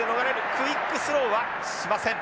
クイックスローはしません。